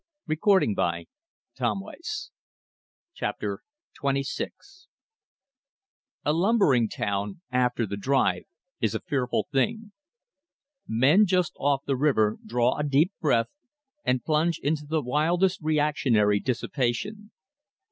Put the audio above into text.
THE BLAZING OF THE TRAIL Chapter XXVI A lumbering town after the drive is a fearful thing. Men just off the river draw a deep breath, and plunge into the wildest reactionary dissipation.